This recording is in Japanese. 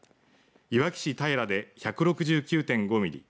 いわき市平で１６９．５ミリ